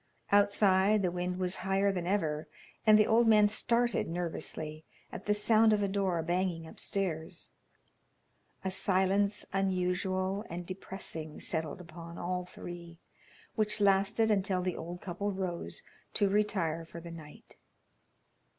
Outside, the wind was higher than ever, and the old man started nervously at the sound of a door banging upstairs. A silence unusual and depressing settled upon all three, which lasted until the old couple rose to retire for the night.